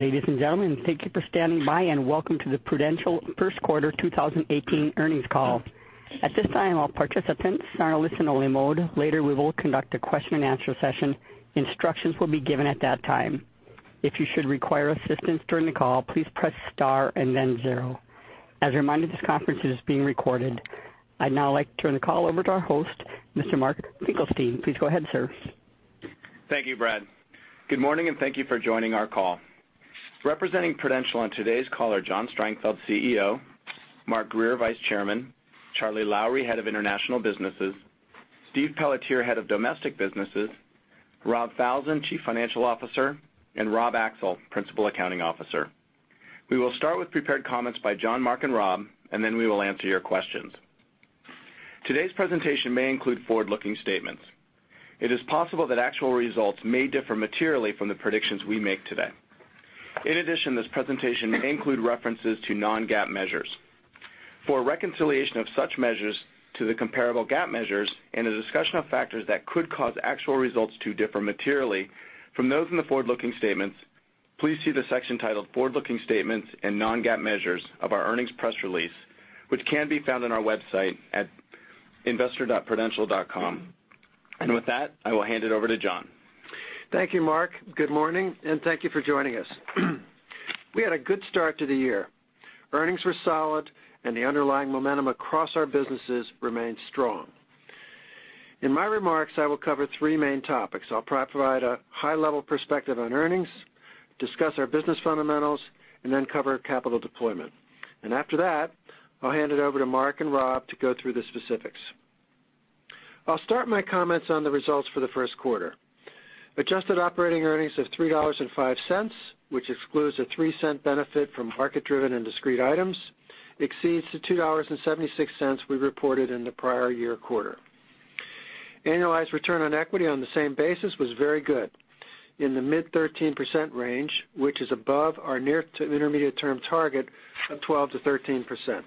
Ladies and gentlemen, thank you for standing by, and welcome to the Prudential First Quarter 2018 Earnings Call. At this time, all participants are in listen only mode. Later we will conduct a question and answer session. Instructions will be given at that time. If you should require assistance during the call, please press star and then zero. As a reminder, this conference is being recorded. I'd now like to turn the call over to our host, Mr. Mark Finkelstein. Please go ahead, sir. Thank you, Brad. Good morning, and thank you for joining our call. Representing Prudential on today's call are John Strangfeld, CEO; Mark Grier, Vice Chairman; Charles Lowrey, Head of International Businesses; Stephen Pelletier, Head of Domestic Businesses; Robert Falzon, Chief Financial Officer; and Robert Axel, Principal Accounting Officer. We will start with prepared comments by John, Mark, and Rob, and then we will answer your questions. Today's presentation may include forward-looking statements. It is possible that actual results may differ materially from the predictions we make today. In addition, this presentation may include references to non-GAAP measures. For a reconciliation of such measures to the comparable GAAP measures and a discussion of factors that could cause actual results to differ materially from those in the forward-looking statements, please see the section titled "Forward-Looking Statements and Non-GAAP Measures" of our earnings press release, which can be found on our website at investor.prudential.com. With that, I will hand it over to John. Thank you, Mark. Good morning, and thank you for joining us. We had a good start to the year. Earnings were solid and the underlying momentum across our businesses remained strong. In my remarks, I will cover three main topics. I'll provide a high-level perspective on earnings, discuss our business fundamentals, and then I'll cover capital deployment. After that, I'll hand it over to Mark and Rob to go through the specifics. I'll start my comments on the results for the first quarter. Adjusted operating earnings of $3.05, which excludes a $0.03 benefit from market-driven and discrete items, exceeds the $2.76 we reported in the prior year quarter. Annualized return on equity on the same basis was very good, in the mid 13% range, which is above our near to intermediate term target of 12%-13%.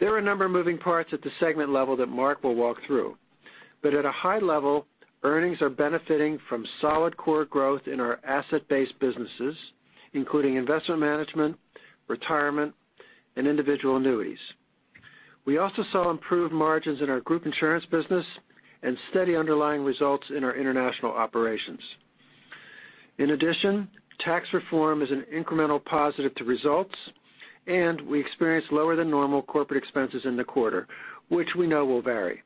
There are a number of moving parts at the segment level that Mark will walk through. At a high level, earnings are benefiting from solid core growth in our asset-based businesses, including investment management, retirement, and individual annuities. We also saw improved margins in our group insurance business and steady underlying results in our international operations. In addition, tax reform is an incremental positive to results, and we experienced lower than normal corporate expenses in the quarter, which we know will vary.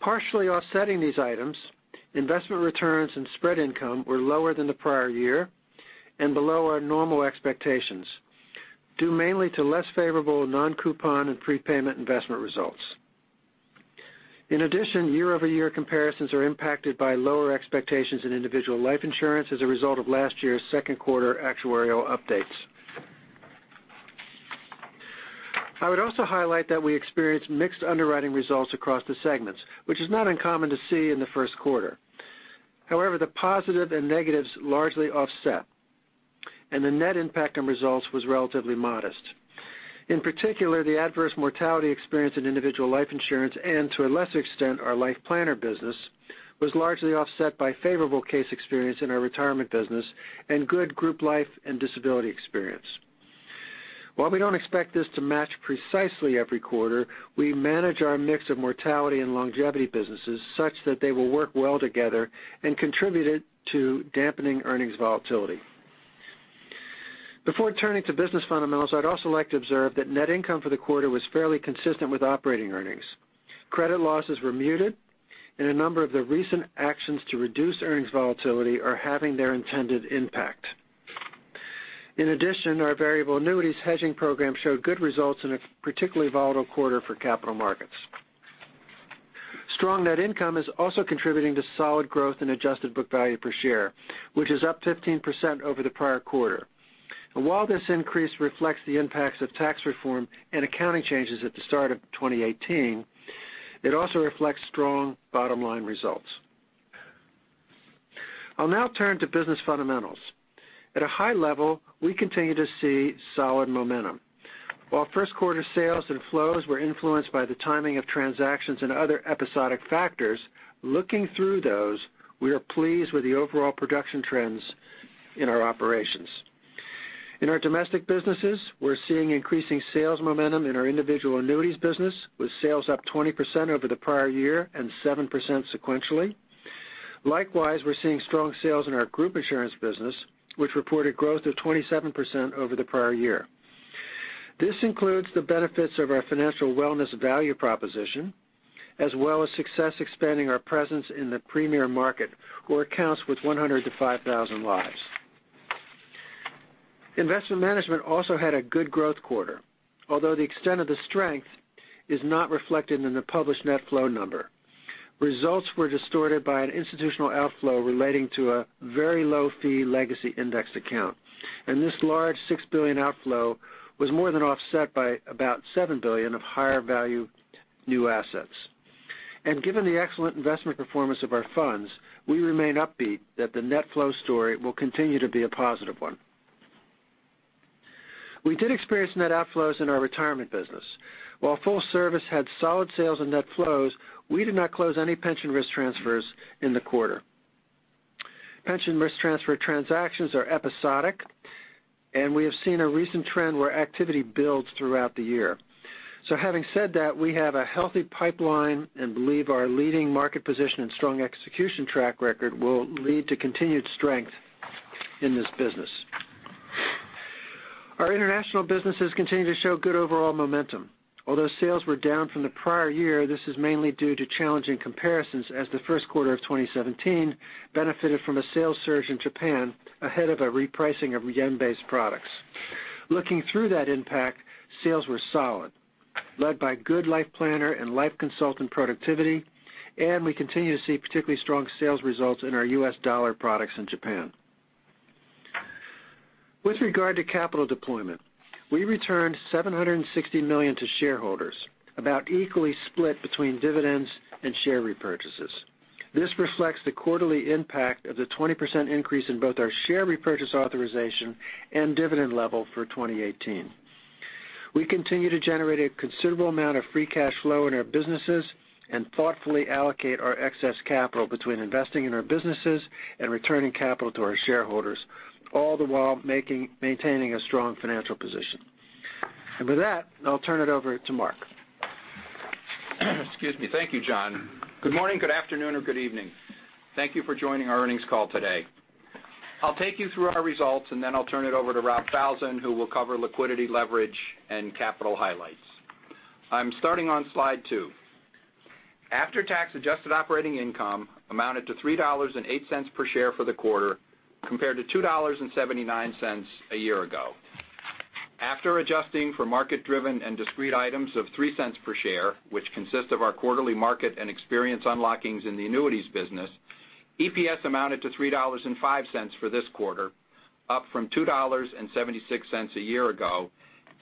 Partially offsetting these items, investment returns and spread income were lower than the prior year and below our normal expectations, due mainly to less favorable non-coupon and prepayment investment results. In addition, year-over-year comparisons are impacted by lower expectations in individual life insurance as a result of last year's second quarter actuarial updates. I would also highlight that we experienced mixed underwriting results across the segments, which is not uncommon to see in the first quarter. However, the positive and negatives largely offset, and the net impact on results was relatively modest. In particular, the adverse mortality experience in individual life insurance and, to a lesser extent, our life planner business, was largely offset by favorable case experience in our retirement business and good group life and disability experience. While we don't expect this to match precisely every quarter, we manage our mix of mortality and longevity businesses such that they will work well together and contributed to dampening earnings volatility. Before turning to business fundamentals, I'd also like to observe that net income for the quarter was fairly consistent with operating earnings. Credit losses were muted and a number of the recent actions to reduce earnings volatility are having their intended impact. In addition, our variable annuities hedging program showed good results in a particularly volatile quarter for capital markets. Strong net income is also contributing to solid growth in adjusted book value per share, which is up 15% over the prior quarter. While this increase reflects the impacts of tax reform and accounting changes at the start of 2018, it also reflects strong bottom-line results. I'll now turn to business fundamentals. At a high level, we continue to see solid momentum. While first quarter sales and flows were influenced by the timing of transactions and other episodic factors, looking through those, we are pleased with the overall production trends in our operations. In our domestic businesses, we're seeing increasing sales momentum in our individual annuities business, with sales up 20% over the prior year and 7% sequentially. Likewise, we're seeing strong sales in our group insurance business, which reported growth of 27% over the prior year. This includes the benefits of our financial wellness value proposition, as well as success expanding our presence in the premier market for accounts with 100 to 5,000 lives. Investment management also had a good growth quarter. Although the extent of the strength is not reflected in the published net flow number. Results were distorted by an institutional outflow relating to a very low-fee legacy indexed account. This large $6 billion outflow was more than offset by about $7 billion of higher value new assets. Given the excellent investment performance of our funds, we remain upbeat that the net flow story will continue to be a positive one. We did experience net outflows in our retirement business. While full service had solid sales and net flows, we did not close any pension risk transfers in the quarter. Pension risk transfer transactions are episodic, and we have seen a recent trend where activity builds throughout the year. Having said that, we have a healthy pipeline and believe our leading market position and strong execution track record will lead to continued strength in this business. Our international businesses continue to show good overall momentum. Although sales were down from the prior year, this is mainly due to challenging comparisons as the first quarter of 2017 benefited from a sales surge in Japan ahead of a repricing of yen-based products. Looking through that impact, sales were solid, led by good life planner and life consultant productivity, and we continue to see particularly strong sales results in our U.S. dollar products in Japan. With regard to capital deployment, we returned $760 million to shareholders, about equally split between dividends and share repurchases. This reflects the quarterly impact of the 20% increase in both our share repurchase authorization and dividend level for 2018. We continue to generate a considerable amount of free cash flow in our businesses and thoughtfully allocate our excess capital between investing in our businesses and returning capital to our shareholders, all the while maintaining a strong financial position. With that, I'll turn it over to Mark. Excuse me. Thank you, John. Good morning, good afternoon, or good evening. Thank you for joining our earnings call today. I'll take you through our results, and then I'll turn it over to Rob Falzon, who will cover liquidity leverage and capital highlights. I'm starting on slide two. After-tax adjusted operating income amounted to $3.08 per share for the quarter, compared to $2.79 a year ago. After adjusting for market-driven and discrete items of $0.03 per share, which consist of our quarterly market and experience unlockings in the annuities business, EPS amounted to $3.05 for this quarter, up from $2.76 a year ago,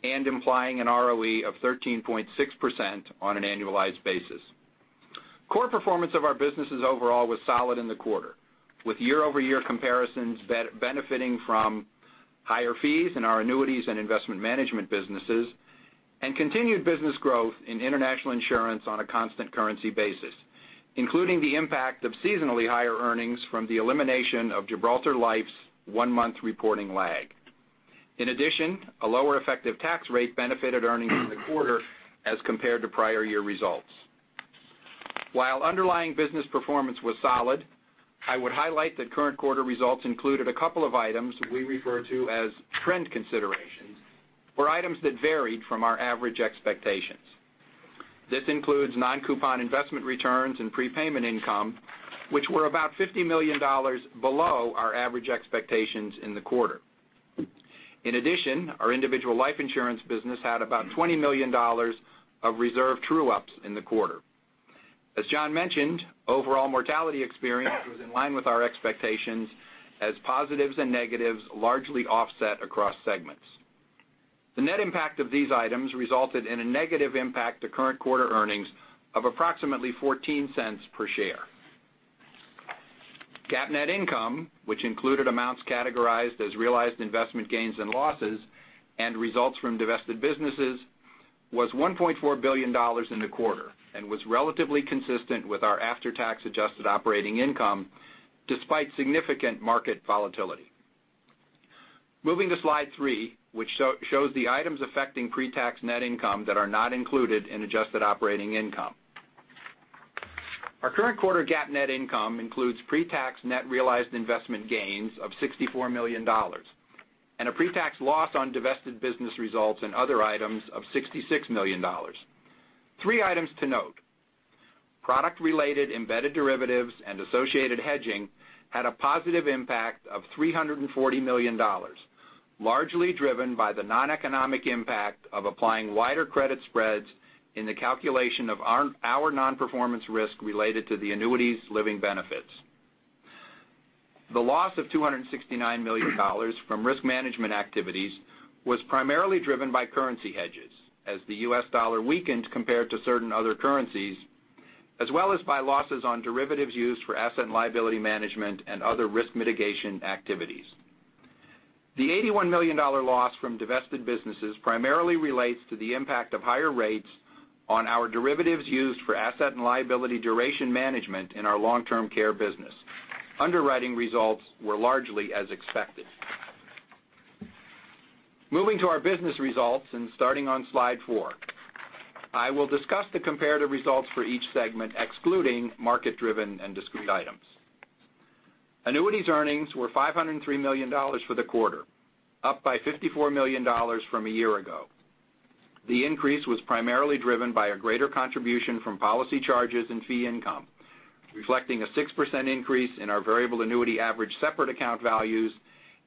and implying an ROE of 13.6% on an annualized basis. Core performance of our businesses overall was solid in the quarter, with year-over-year comparisons benefiting from higher fees in our annuities and investment management businesses, and continued business growth in international insurance on a constant currency basis, including the impact of seasonally higher earnings from the elimination of Gibraltar Life's one-month reporting lag. In addition, a lower effective tax rate benefited earnings in the quarter as compared to prior year results. While underlying business performance was solid, I would highlight that current quarter results included a couple of items we refer to as trend considerations, or items that varied from our average expectations. This includes non-coupon investment returns and prepayment income, which were about $50 million below our average expectations in the quarter. In addition, our individual life insurance business had about $20 million of reserve true-ups in the quarter. As John mentioned, overall mortality experience was in line with our expectations as positives and negatives largely offset across segments. The net impact of these items resulted in a negative impact to current quarter earnings of approximately $0.14 per share. GAAP net income, which included amounts categorized as realized investment gains and losses and results from divested businesses, was $1.4 billion in the quarter and was relatively consistent with our after-tax adjusted operating income despite significant market volatility. Moving to slide three, which shows the items affecting pre-tax net income that are not included in adjusted operating income. Our current quarter GAAP net income includes pre-tax net realized investment gains of $64 million, and a pre-tax loss on divested business results and other items of $66 million. Three items to note. Product-related embedded derivatives and associated hedging had a positive impact of $340 million, largely driven by the non-economic impact of applying wider credit spreads in the calculation of our non-performance risk related to the annuities' living benefits. The loss of $269 million from risk management activities was primarily driven by currency hedges as the U.S. dollar weakened compared to certain other currencies, as well as by losses on derivatives used for asset and liability management and other risk mitigation activities. The $81 million loss from divested businesses primarily relates to the impact of higher rates on our derivatives used for asset and liability duration management in our long-term care business. Underwriting results were largely as expected. Moving to our business results and starting on slide four. I will discuss the comparative results for each segment, excluding market-driven and discrete items. Annuities earnings were $503 million for the quarter, up by $54 million from a year ago. The increase was primarily driven by a greater contribution from policy charges and fee income, reflecting a 6% increase in our variable annuity average separate account values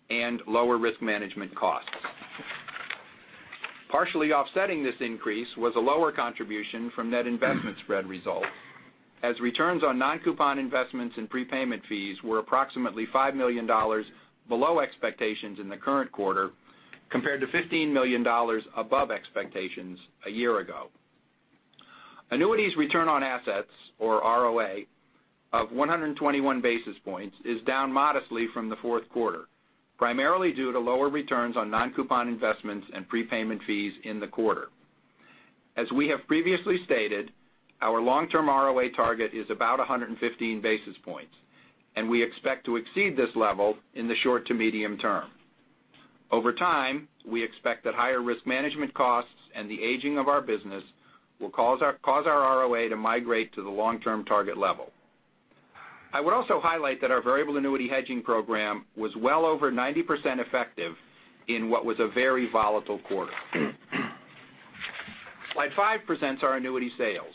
and lower risk management costs. Partially offsetting this increase was a lower contribution from net investment spread results, as returns on non-coupon investments and prepayment fees were approximately $5 million below expectations in the current quarter, compared to $15 million above expectations a year ago. Annuities return on assets or ROA of 121 basis points is down modestly from the fourth quarter, primarily due to lower returns on non-coupon investments and prepayment fees in the quarter. As we have previously stated, our long-term ROA target is about 115 basis points, and we expect to exceed this level in the short to medium term. Over time, we expect that higher risk management costs and the aging of our business will cause our ROA to migrate to the long-term target level. I would also highlight that our variable annuity hedging program was well over 90% effective in what was a very volatile quarter. Slide five presents our annuity sales.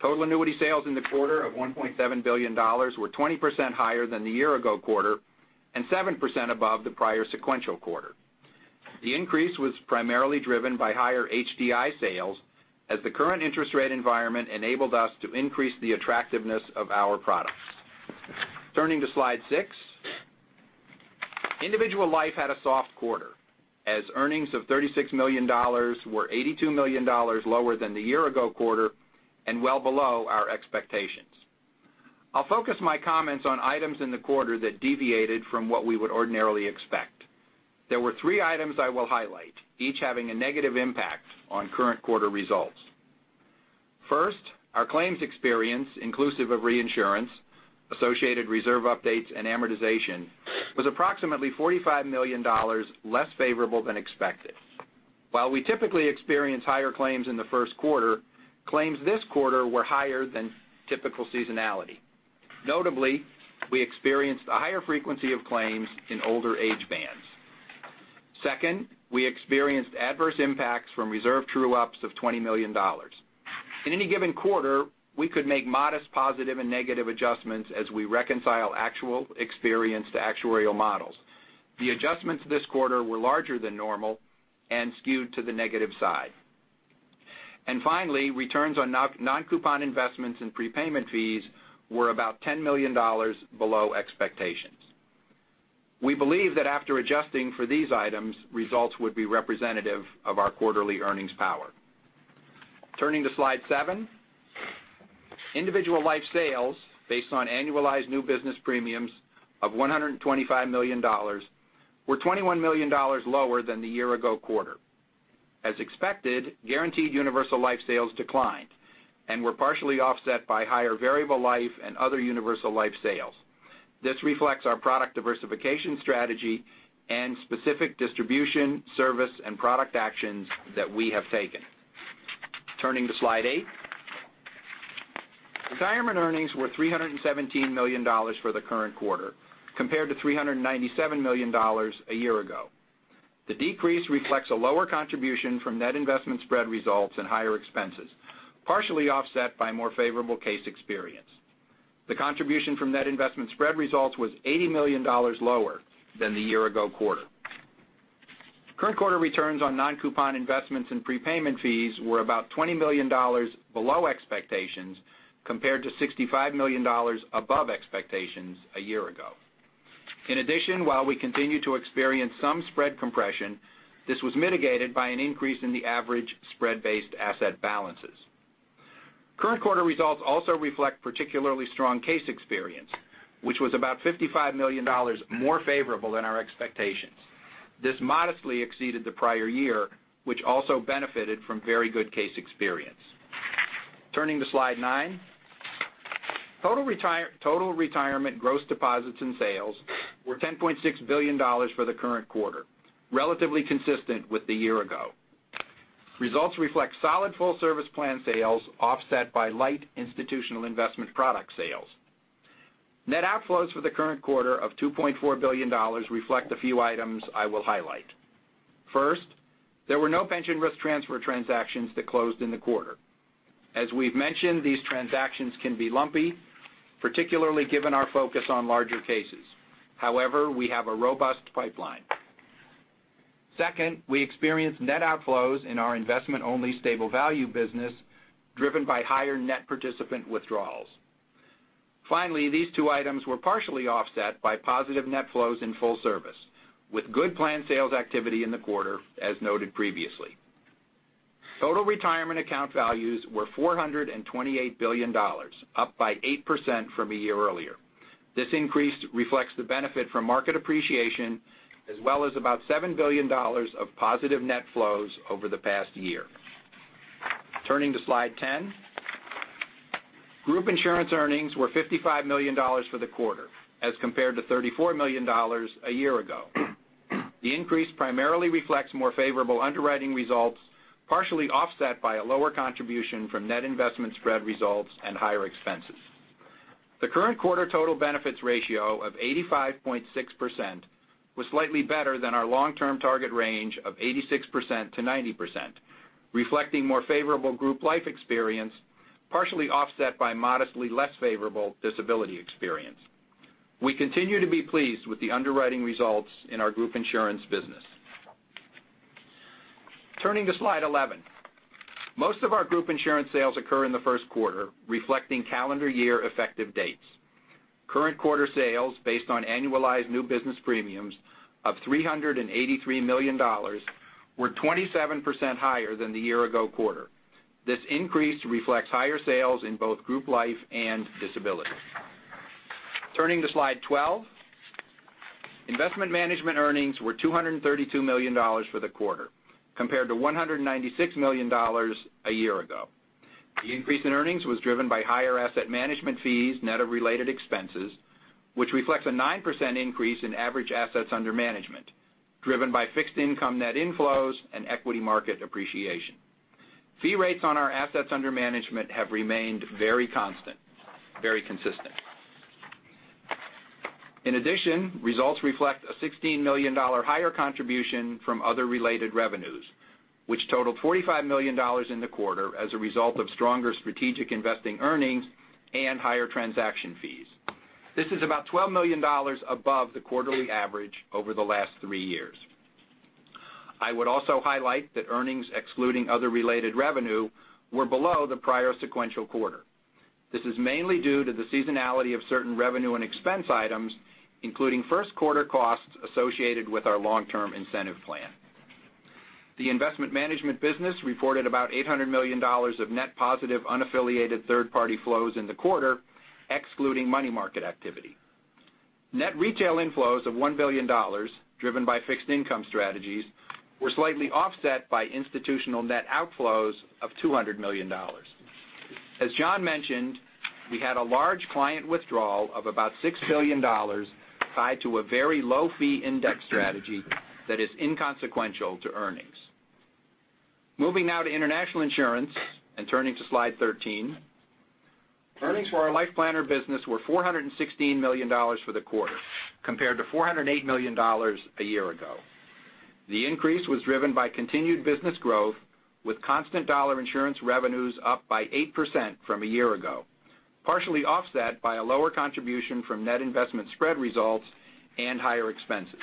Total annuity sales in the quarter of $1.7 billion were 20% higher than the year ago quarter and 7% above the prior sequential quarter. The increase was primarily driven by higher HDI sales as the current interest rate environment enabled us to increase the attractiveness of our products. Turning to Slide six. Individual life had a soft quarter as earnings of $36 million were $82 million lower than the year ago quarter and well below our expectations. I'll focus my comments on items in the quarter that deviated from what we would ordinarily expect. There were three items I will highlight, each having a negative impact on current quarter results. First, our claims experience inclusive of reinsurance, associated reserve updates, and amortization was approximately $45 million less favorable than expected. While we typically experience higher claims in the first quarter, claims this quarter were higher than typical seasonality. Notably, we experienced a higher frequency of claims in older age bands. Second, we experienced adverse impacts from reserve true ups of $20 million. In any given quarter, we could make modest positive and negative adjustments as we reconcile actual experience to actuarial models. The adjustments this quarter were larger than normal and skewed to the negative side. Finally, returns on non-coupon investments and prepayment fees were about $10 million below expectations. We believe that after adjusting for these items, results would be representative of our quarterly earnings power. Turning to slide seven. Individual life sales based on annualized new business premiums of $125 million were $21 million lower than the year ago quarter. As expected, guaranteed universal life sales declined and were partially offset by higher variable life and other universal life sales. This reflects our product diversification strategy and specific distribution, service, and product actions that we have taken. Turning to slide eight. Retirement earnings were $317 million for the current quarter compared to $397 million a year ago. The decrease reflects a lower contribution from net investment spread results and higher expenses, partially offset by more favorable case experience. The contribution from net investment spread results was $80 million lower than the year ago quarter. Current quarter returns on non-coupon investments and prepayment fees were about $20 million below expectations, compared to $65 million above expectations a year ago. In addition, while we continue to experience some spread compression, this was mitigated by an increase in the average spread-based asset balances. Current quarter results also reflect particularly strong case experience, which was about $55 million more favorable than our expectations. This modestly exceeded the prior year, which also benefited from very good case experience. Turning to slide nine. Total Retirement gross deposits and sales were $10.6 billion for the current quarter, relatively consistent with the year ago. Results reflect solid full-service plan sales offset by light institutional investment product sales. Net outflows for the current quarter of $2.4 billion reflect a few items I will highlight. First, there were no pension risk transfer transactions that closed in the quarter. As we've mentioned, these transactions can be lumpy, particularly given our focus on larger cases. However, we have a robust pipeline. Second, we experienced net outflows in our investment-only stable value business, driven by higher net participant withdrawals. Finally, these two items were partially offset by positive net flows in full service, with good planned sales activity in the quarter, as noted previously. Total retirement account values were $428 billion, up by 8% from a year earlier. This increase reflects the benefit from market appreciation, as well as about $7 billion of positive net flows over the past year. Turning to slide 10. Group insurance earnings were $55 million for the quarter as compared to $34 million a year ago. The increase primarily reflects more favorable underwriting results, partially offset by a lower contribution from net investment spread results and higher expenses. The current quarter total benefits ratio of 85.6% was slightly better than our long-term target range of 86%-90%, reflecting more favorable group life experience, partially offset by modestly less favorable disability experience. We continue to be pleased with the underwriting results in our group insurance business. Turning to slide 11. Most of our group insurance sales occur in the first quarter, reflecting calendar year effective dates. Current quarter sales based on annualized new business premiums of $383 million were 27% higher than the year ago quarter. This increase reflects higher sales in both group life and disability. Turning to slide 12. Investment management earnings were $232 million for the quarter, compared to $196 million a year ago. The increase in earnings was driven by higher asset management fees net of related expenses, which reflects a 9% increase in average assets under management, driven by fixed income net inflows and equity market appreciation. Fee rates on our assets under management have remained very constant, very consistent. In addition, results reflect a $16 million higher contribution from other related revenues, which totaled $45 million in the quarter as a result of stronger strategic investing earnings and higher transaction fees. This is about $12 million above the quarterly average over the last three years. I would also highlight that earnings excluding other related revenue were below the prior sequential quarter. This is mainly due to the seasonality of certain revenue and expense items, including first quarter costs associated with our long-term incentive plan. The investment management business reported about $800 million of net positive unaffiliated third-party flows in the quarter, excluding money market activity. Net retail inflows of $1 billion, driven by fixed income strategies, were slightly offset by institutional net outflows of $200 million. As John mentioned, we had a large client withdrawal of about $6 billion tied to a very low fee index strategy that is inconsequential to earnings. Moving now to international insurance and turning to slide 13. Earnings for our Life Planner business were $416 million for the quarter, compared to $408 million a year ago. The increase was driven by continued business growth, with constant dollar insurance revenues up by 8% from a year ago, partially offset by a lower contribution from net investment spread results and higher expenses.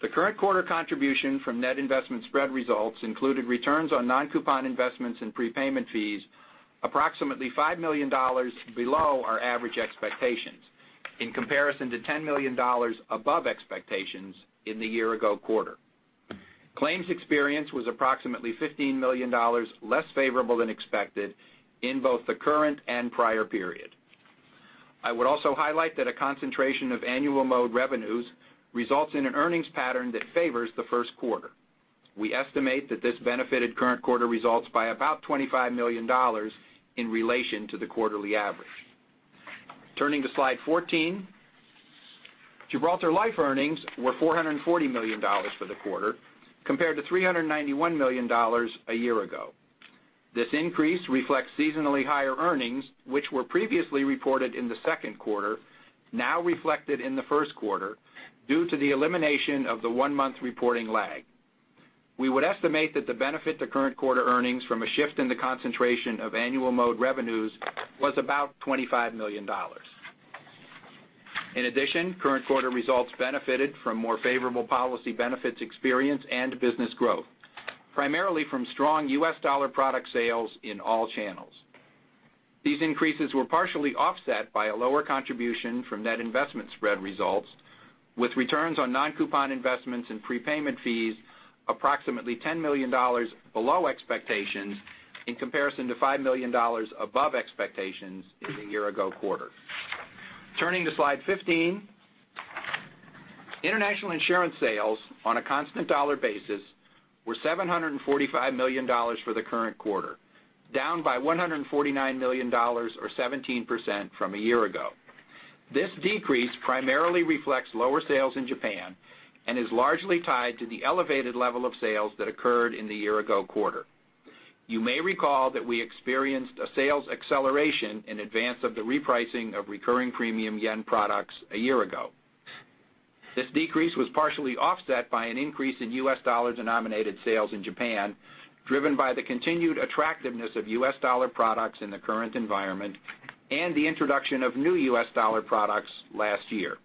The current quarter contribution from net investment spread results included returns on non-coupon investments and prepayment fees, approximately $5 million below our average expectations, in comparison to $10 million above expectations in the year-ago quarter. Claims experience was approximately $15 million less favorable than expected in both the current and prior period. I would also highlight that a concentration of annual mode revenues results in an earnings pattern that favors the first quarter. We estimate that this benefited current quarter results by about $25 million in relation to the quarterly average. Turning to slide 14. Gibraltar Life earnings were $440 million for the quarter compared to $391 million a year ago. This increase reflects seasonally higher earnings, which were previously reported in the second quarter, now reflected in the first quarter, due to the elimination of the one-month reporting lag. We would estimate that the benefit to current quarter earnings from a shift in the concentration of annual mode revenues was about $25 million. In addition, current quarter results benefited from more favorable policy benefits experience and business growth, primarily from strong U.S. dollar product sales in all channels. These increases were partially offset by a lower contribution from net investment spread results, with returns on non-coupon investments and prepayment fees approximately $10 million below expectations, in comparison to $5 million above expectations in the year-ago quarter. Turning to slide 15. International insurance sales on a constant dollar basis were $745 million for the current quarter, down by $149 million or 17% from a year ago. This decrease primarily reflects lower sales in Japan and is largely tied to the elevated level of sales that occurred in the year-ago quarter. You may recall that we experienced a sales acceleration in advance of the repricing of recurring premium yen products a year ago. This decrease was partially offset by an increase in U.S. dollar-denominated sales in Japan, driven by the continued attractiveness of U.S. dollar products in the current environment, and the introduction of new U.S. dollar products last year.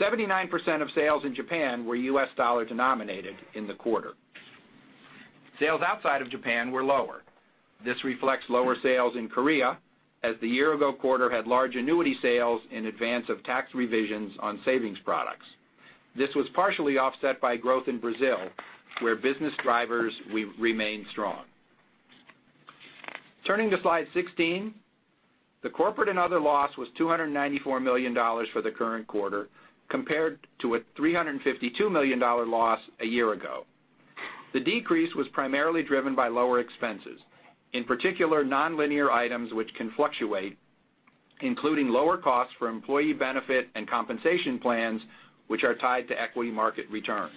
79% of sales in Japan were U.S. dollar-denominated in the quarter. Sales outside of Japan were lower. This reflects lower sales in Korea, as the year-ago quarter had large annuity sales in advance of tax revisions on savings products. This was partially offset by growth in Brazil, where business drivers remained strong. Turning to slide 16. The corporate and other loss was $294 million for the current quarter compared to a $352 million loss a year ago. The decrease was primarily driven by lower expenses, in particular nonlinear items which can fluctuate, including lower costs for employee benefit and compensation plans, which are tied to equity market returns.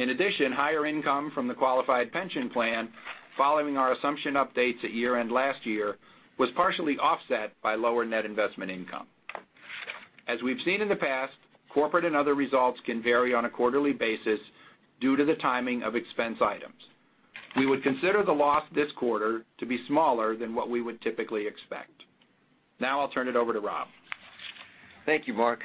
In addition, higher income from the qualified pension plan following our assumption updates at year-end last year was partially offset by lower net investment income. As we've seen in the past, corporate and other results can vary on a quarterly basis due to the timing of expense items. We would consider the loss this quarter to be smaller than what we would typically expect. I'll turn it over to Rob. Thank you, Mark.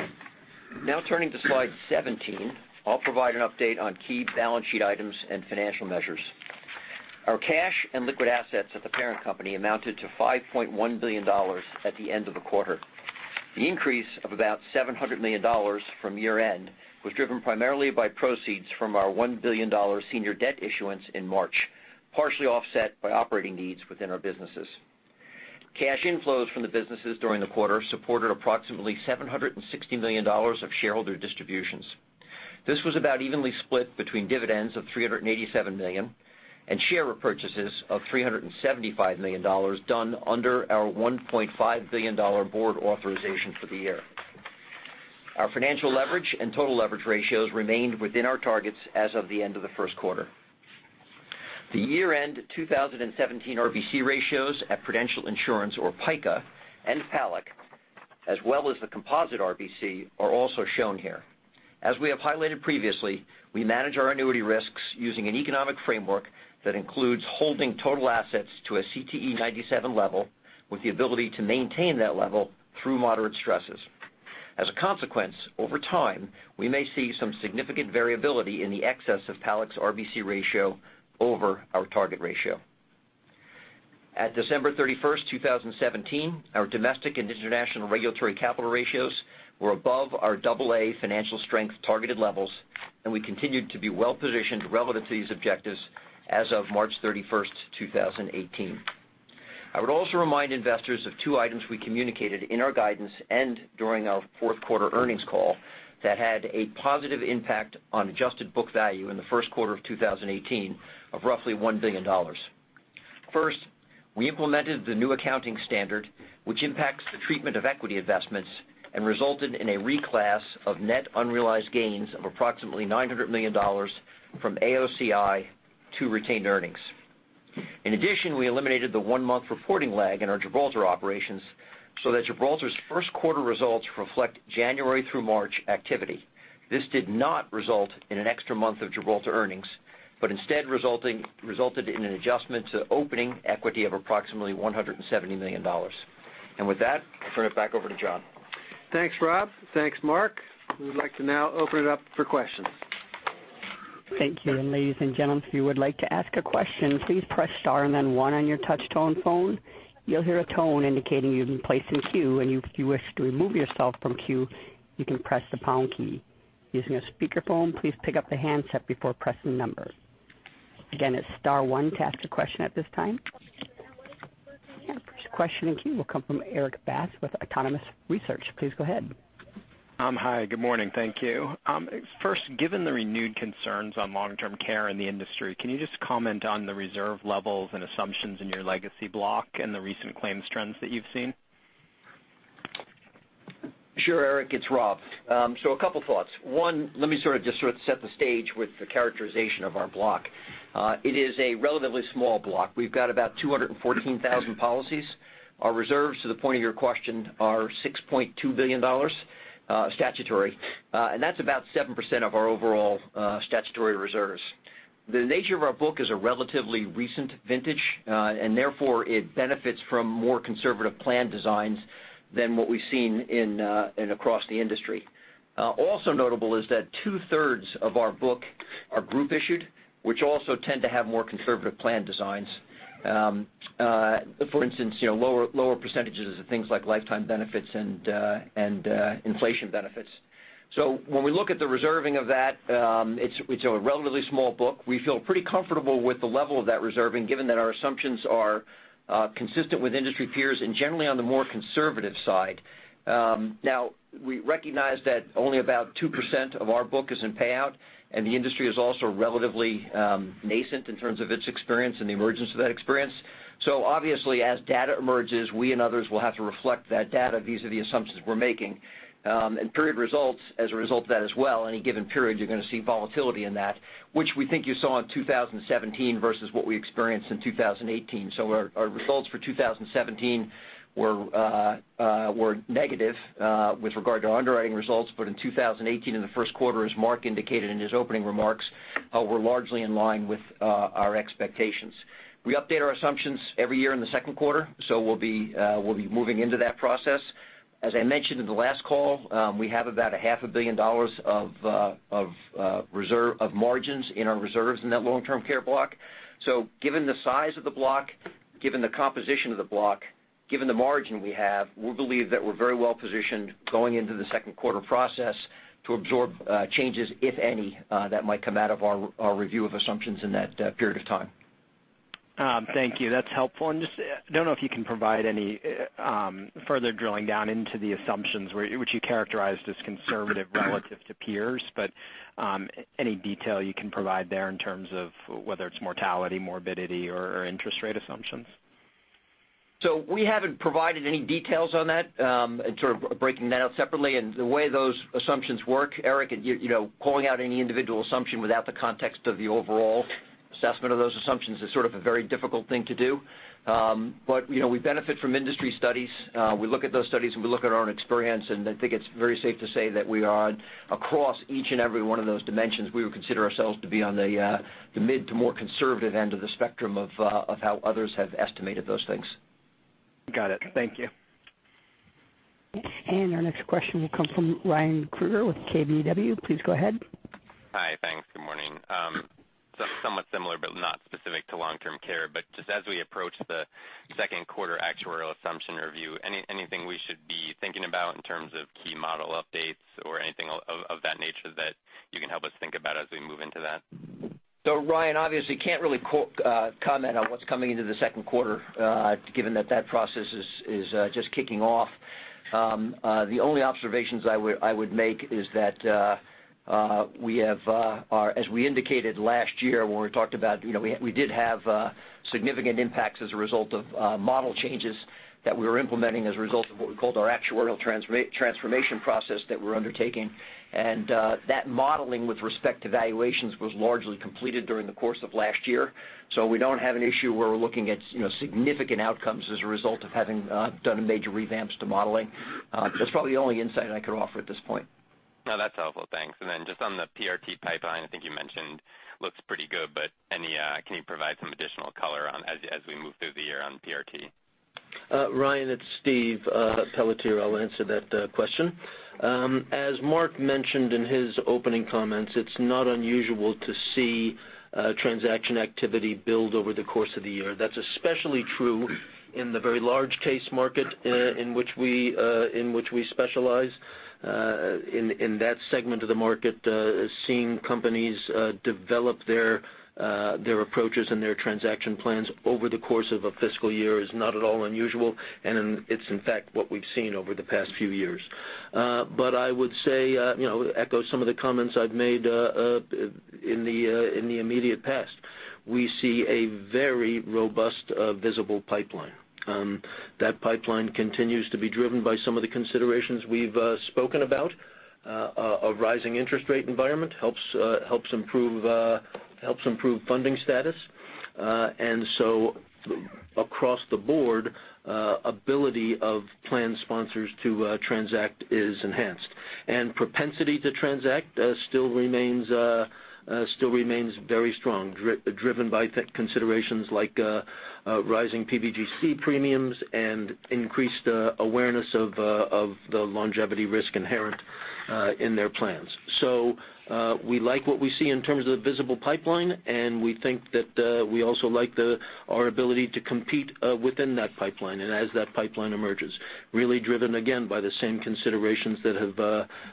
Turning to slide 17, I'll provide an update on key balance sheet items and financial measures. Our cash and liquid assets at the parent company amounted to $5.1 billion at the end of the quarter. The increase of about $700 million from year-end was driven primarily by proceeds from our $1 billion senior debt issuance in March, partially offset by operating needs within our businesses. Cash inflows from the businesses during the quarter supported approximately $760 million of shareholder distributions. This was about evenly split between dividends of $387 million and share repurchases of $375 million done under our $1.5 billion board authorization for the year. Our financial leverage and total leverage ratios remained within our targets as of the end of the first quarter. The year-end 2017 RBC ratios at Prudential Insurance or PICA and PALAC, as well as the composite RBC, are also shown here. As we have highlighted previously, we manage our annuity risks using an economic framework that includes holding total assets to a CTE 97 level with the ability to maintain that level through moderate stresses. As a consequence, over time, we may see some significant variability in the excess of PALAC's RBC ratio over our target ratio. At December 31st, 2017, our domestic and international regulatory capital ratios were above our double A financial strength targeted levels, and we continued to be well-positioned relative to these objectives as of March 31st, 2018. First, we implemented the new accounting standard, which impacts the treatment of equity investments and resulted in a reclass of net unrealized gains of approximately $900 million from AOCI to retained earnings. In addition, we eliminated the one-month reporting lag in our Gibraltar operations so that Gibraltar's first quarter results reflect January through March activity. This did not result in an extra month of Gibraltar earnings, but instead resulted in an adjustment to opening equity of approximately $170 million. With that, I'll turn it back over to John. Thanks, Rob. Thanks, Mark. We would like to now open it up for questions. Thank you. Ladies and gentlemen, if you would like to ask a question, please press star and then one on your touch-tone phone. You'll hear a tone indicating you've been placed in queue, and if you wish to remove yourself from queue, you can press the pound key. Using a speakerphone, please pick up the handset before pressing numbers. Again, it's star one to ask a question at this time. The first question in queue will come from Erik Bass with Autonomous Research. Please go ahead. Hi, good morning. Thank you. First, given the renewed concerns on long-term care in the industry, can you just comment on the reserve levels and assumptions in your legacy block and the recent claims trends that you've seen? Sure, Erik. It's Rob. A couple thoughts. One, let me sort of just set the stage with the characterization of our block. It is a relatively small block. We've got about 214,000 policies. Our reserves, to the point of your question, are $6.2 billion statutory, and that's about 7% of our overall statutory reserves. The nature of our book is a relatively recent vintage, and therefore, it benefits from more conservative plan designs than what we've seen in and across the industry. Also notable is that two-thirds of our book are group issued, which also tend to have more conservative plan designs. For instance, lower percentages of things like lifetime benefits and inflation benefits. When we look at the reserving of that, it's a relatively small book. We feel pretty comfortable with the level of that reserving given that our assumptions are consistent with industry peers and generally on the more conservative side. Now, we recognize that only about 2% of our book is in payout, and the industry is also relatively nascent in terms of its experience and the emergence of that experience. Obviously as data emerges, we and others will have to reflect that data vis-a-vis assumptions we're making. Period results as a result of that as well, any given period, you're going to see volatility in that, which we think you saw in 2017 versus what we experienced in 2018. Our results for 2017 were negative with regard to underwriting results. In 2018, in the first quarter, as Mark indicated in his opening remarks, were largely in line with our expectations. We update our assumptions every year in the second quarter, so we'll be moving into that process. As I mentioned in the last call, we have about a half a billion dollars of margins in our reserves in that long-term care block. Given the size of the block, given the composition of the block, given the margin we have, we believe that we're very well positioned going into the second quarter process to absorb changes, if any, that might come out of our review of assumptions in that period of time. Thank you. That's helpful. Just don't know if you can provide any further drilling down into the assumptions which you characterized as conservative relative to peers, but any detail you can provide there in terms of whether it's mortality, morbidity or interest rate assumptions? We haven't provided any details on that, sort of breaking that out separately and the way those assumptions work, Erik, calling out any individual assumption without the context of the overall assessment of those assumptions is sort of a very difficult thing to do. We benefit from industry studies. We look at those studies and we look at our own experience, I think it's very safe to say that we are across each and every one of those dimensions, we would consider ourselves to be on the mid to more conservative end of the spectrum of how others have estimated those things. Got it. Thank you. Our next question will come from Ryan Krueger with KBW. Please go ahead. Hi, thanks. Good morning. Somewhat similar, but not specific to long-term care, but just as we approach the second quarter actuarial assumption review, anything we should be thinking about in terms of key model updates or anything of that nature that you can help us think about as we move into that? Ryan, obviously can't really comment on what's coming into the second quarter, given that that process is just kicking off. The only observations I would make is that as we indicated last year when we talked about we did have significant impacts as a result of model changes that we were implementing as a result of what we called our actuarial transformation process that we're undertaking. That modeling with respect to valuations was largely completed during the course of last year. We don't have an issue where we're looking at significant outcomes as a result of having done major revamps to modeling. That's probably the only insight I could offer at this point. No, that's helpful. Thanks. Just on the PRT pipeline, I think you mentioned looks pretty good, but can you provide some additional color as we move through the year on PRT? Ryan, it's Steve Pelletier. I'll answer that question. As Mark mentioned in his opening comments, it's not unusual to see transaction activity build over the course of the year. That's especially true in the very large case market in which we specialize. In that segment of the market, seeing companies develop their approaches and their transaction plans over the course of a fiscal year is not at all unusual, and it's in fact what we've seen over the past few years. I would say, echo some of the comments I've made in the immediate past. We see a very robust, visible pipeline. That pipeline continues to be driven by some of the considerations we've spoken about. A rising interest rate environment helps improve funding status. Across the board, ability of plan sponsors to transact is enhanced. Propensity to transact still remains very strong, driven by considerations like rising PBGC premiums and increased awareness of the longevity risk inherent in their plans. We like what we see in terms of the visible pipeline, and we think that we also like our ability to compete within that pipeline and as that pipeline emerges, really driven, again, by the same considerations that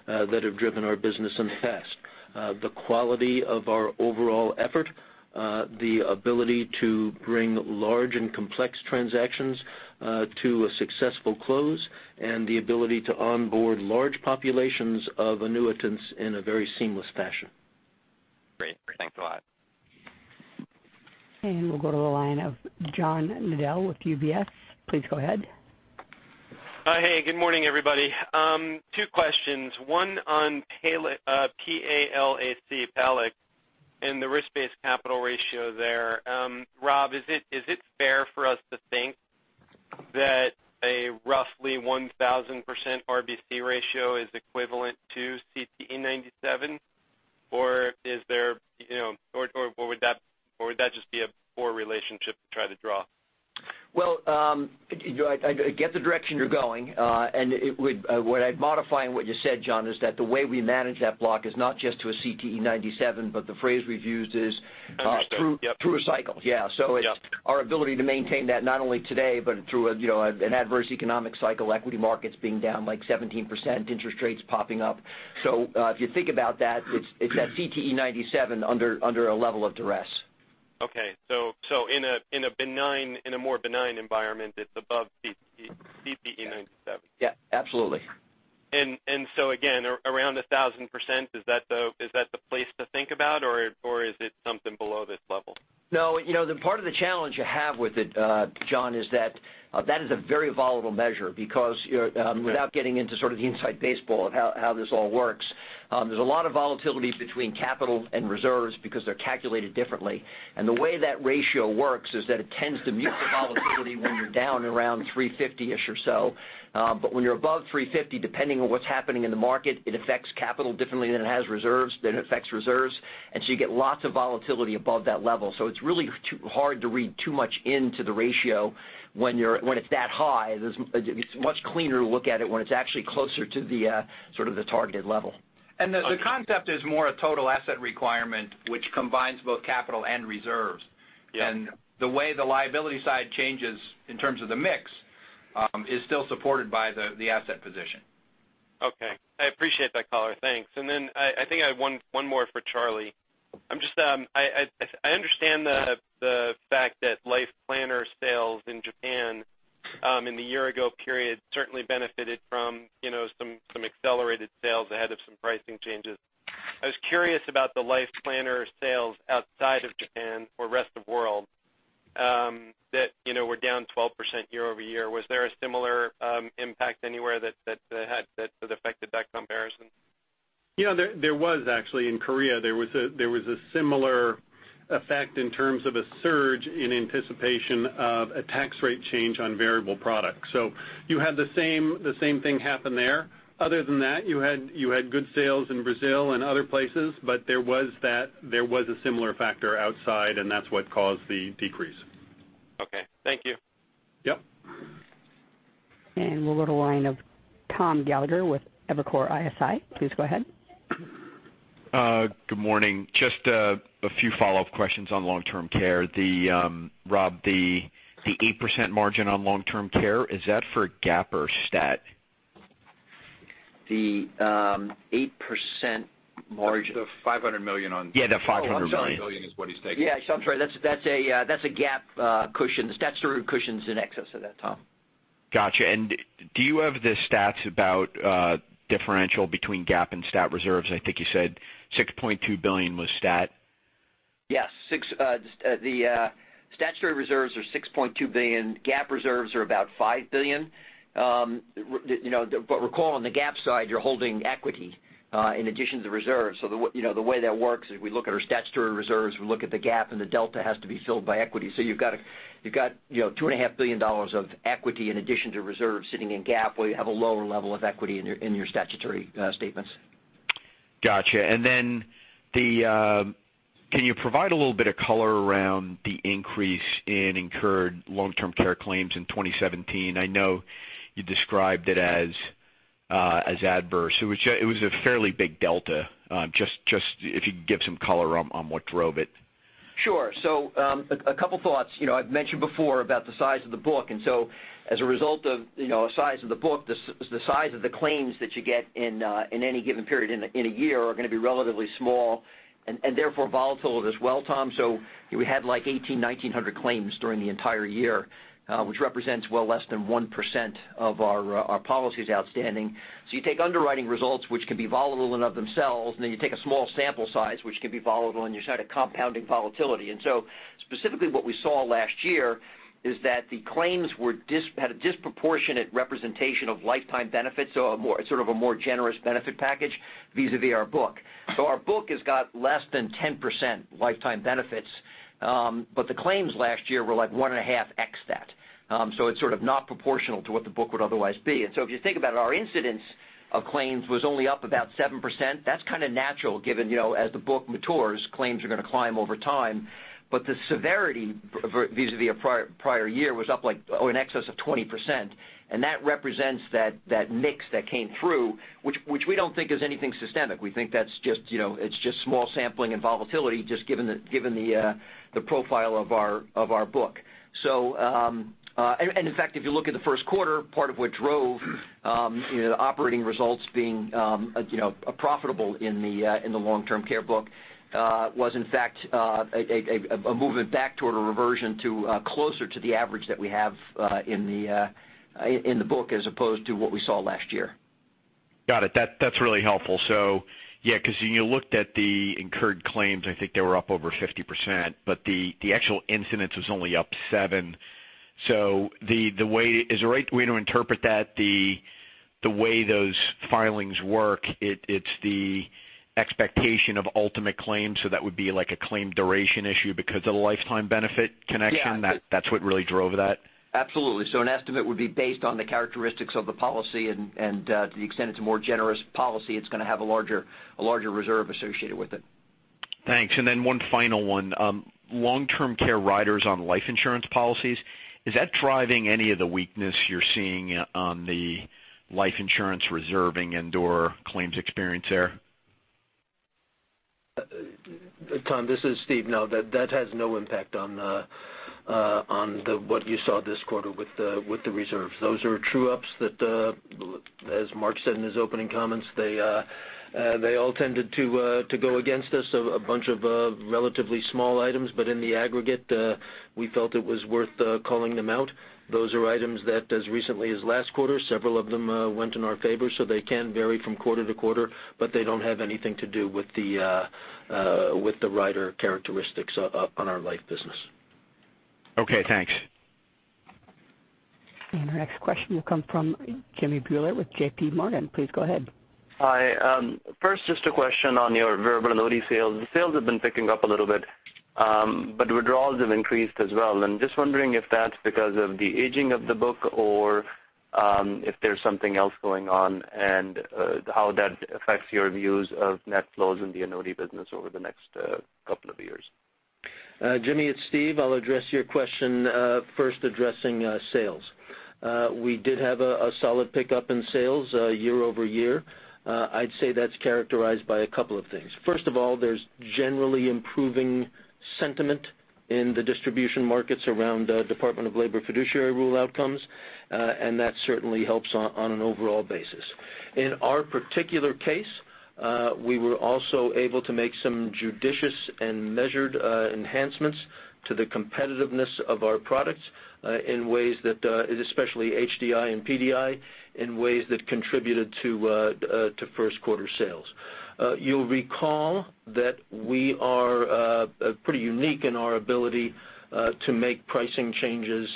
have driven our business in the past. The quality of our overall effort, the ability to bring large and complex transactions to a successful close, and the ability to onboard large populations of annuitants in a very seamless fashion. Great. Thanks a lot. We'll go to the line of John Nadel with UBS. Please go ahead. Hey, good morning, everybody. Two questions. One on P-A-L-A-C, PALAC, and the risk-based capital ratio there. Rob, is it fair for us to think that a roughly 1,000% RBC ratio is equivalent to CTE 97, or would that just be a poor relationship to try to draw? Well, I get the direction you're going, and what I'd modify in what you said, John, is that the way we manage that block is not just to a CTE 97, but the phrase we've used is- I understand, yep through a cycle. Yeah. Yeah. It's our ability to maintain that not only today, but through an adverse economic cycle, equity markets being down like 17%, interest rates popping up. If you think about that, it's that CTE 97 under a level of duress. Okay. In a more benign environment, it's above CTE 97. Yeah. Absolutely. Again, around 1,000%, is that the place to think about, or is it something below this level? No. Part of the challenge you have with it, John, is that that is a very volatile measure because without getting into sort of the inside baseball of how this all works, there's a lot of volatility between capital and reserves because they're calculated differently. The way that ratio works is that it tends to mute the volatility when you're down around 350-ish or so. When you're above 350, depending on what's happening in the market, it affects capital differently than it has reserves, then it affects reserves, and so you get lots of volatility above that level. It's really hard to read too much into the ratio when it's that high. It's much cleaner to look at it when it's actually closer to the targeted level. The concept is more a total asset requirement, which combines both capital and reserves. Yeah. The way the liability side changes in terms of the mix, is still supported by the asset position. Okay. I appreciate that color. Thanks. I think I have one more for Charlie. I understand the fact that LifePlanner sales in Japan in the year ago period certainly benefited from some accelerated sales ahead of some pricing changes. I was curious about the LifePlanner sales outside of Japan for rest of world, that were down 12% year-over-year. Was there a similar impact anywhere that affected that comparison? There was actually. In Korea, there was a similar effect in terms of a surge in anticipation of a tax rate change on variable products. You had the same thing happen there. Other than that, you had good sales in Brazil and other places, but there was a similar factor outside, and that's what caused the decrease. Okay. Thank you. Yep. We'll go to line of Tom Gallagher with Evercore ISI, please go ahead. Good morning. Just a few follow-up questions on long-term care. Rob, the 8% margin on long-term care, is that for GAAP or stat? The 8% margin- The $500 million. Yeah, the $500 million. Oh, I'm sorry, billion is what he's saying. Yeah. I'm sorry, that's a GAAP cushion. The statutory cushion's in excess of that, Tom. Got you. Do you have the stats about differential between GAAP and stat reserves? I think you said $6.2 billion was stat. Yes. The statutory reserves are $6.2 billion. GAAP reserves are about $5 billion. Recall on the GAAP side, you're holding equity, in addition to the reserve. The way that works is we look at our statutory reserves, we look at the GAAP, and the delta has to be filled by equity. You've got $2.5 billion of equity in addition to reserve sitting in GAAP, where you have a lower level of equity in your statutory statements. Got you. Can you provide a little bit of color around the increase in incurred long-term care claims in 2017? I know you described it as adverse. It was a fairly big delta, just if you could give some color on what drove it. Sure. A couple thoughts. I've mentioned before about the size of the book, and so as a result of the size of the book, the size of the claims that you get in any given period in a year are going to be relatively small, and therefore volatile as well, Tom. We had like 18, 1,900 claims during the entire year, which represents well less than 1% of our policies outstanding. You take underwriting results, which can be volatile in and of themselves, and then you take a small sample size, which can be volatile, and you start a compounding volatility. Specifically what we saw last year is that the claims had a disproportionate representation of lifetime benefits, so sort of a more generous benefit package vis-à-vis our book. Our book has got less than 10% lifetime benefits. The claims last year were like one and a half x that. It's sort of not proportional to what the book would otherwise be. If you think about it, our incidence of claims was only up about 7%. That's kind of natural given as the book matures, claims are going to climb over time. The severity vis-à-vis a prior year was up like in excess of 20%. That represents that mix that came through, which we don't think is anything systemic. We think that's just small sampling and volatility just given the profile of our book. In fact, if you look at the first quarter, part of what drove operating results being profitable in the long-term care book, was in fact, a movement back toward a reversion to closer to the average that we have in the book as opposed to what we saw last year. Got it. That's really helpful. Because you looked at the incurred claims, I think they were up over 50%, but the actual incidence was only up seven. Is the right way to interpret that the way those filings work, it's the expectation of ultimate claims, so that would be like a claim duration issue because of the lifetime benefit connection- Yeah that's what really drove that? An estimate would be based on the characteristics of the policy, and to the extent it's a more generous policy, it's going to have a larger reserve associated with it. Thanks. Then one final one. Long-term care riders on life insurance policies, is that driving any of the weakness you're seeing on the life insurance reserving and/or claims experience there? Tom, this is Steve. No, that has no impact on what you saw this quarter with the reserve. Those are true-ups that as Mark said in his opening comments, they all tended to go against us. A bunch of relatively small items, but in the aggregate, we felt it was worth calling them out. Those are items that as recently as last quarter, several of them went in our favor, so they can vary from quarter to quarter, but they don't have anything to do with the rider characteristics on our life business. Okay, thanks. Our next question will come from Jimmy Bhullar with J.P. Morgan. Please go ahead. Hi. First just a question on your variable annuity sales. The sales have been picking up a little bit, but withdrawals have increased as well. I'm just wondering if that's because of the aging of the book or if there's something else going on and how that affects your views of net flows in the annuity business over the next couple of years. Jimmy, it's Steve. I'll address your question. First addressing sales. We did have a solid pickup in sales year-over-year. I'd say that's characterized by a couple of things. First of all, there's generally improving sentiment in the distribution markets around Department of Labor Fiduciary Rule outcomes. That certainly helps on an overall basis. In our particular case, we were also able to make some judicious and measured enhancements to the competitiveness of our products in ways that, especially HDI and PDI, in ways that contributed to first quarter sales. You'll recall that we are pretty unique in our ability to make pricing changes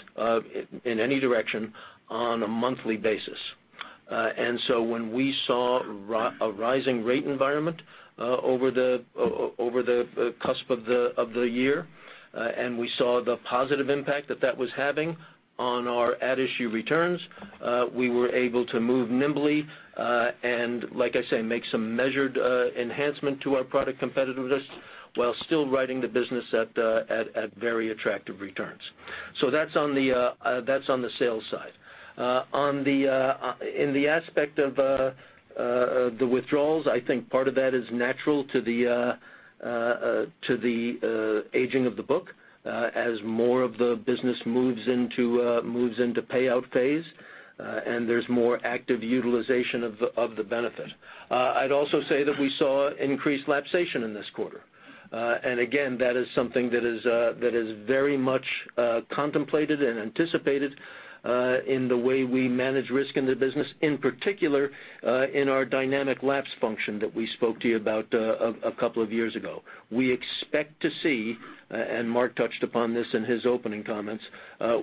in any direction on a monthly basis. When we saw a rising rate environment over the cusp of the year, and we saw the positive impact that that was having on our at-issue returns, we were able to move nimbly, and like I say, make some measured enhancement to our product competitiveness While still writing the business at very attractive returns. That's on the sales side. In the aspect of the withdrawals, I think part of that is natural to the aging of the book, as more of the business moves into payout phase, and there's more active utilization of the benefit. I'd also say that we saw increased lapsation in this quarter. Again, that is something that is very much contemplated and anticipated in the way we manage risk in the business, in particular in our dynamic lapse function that we spoke to you about a couple of years ago. We expect to see, Mark touched upon this in his opening comments,